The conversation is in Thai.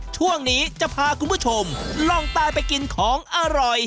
ช่วงนี้จะพาคุณผู้ชมลองตายไปกินของอร่อย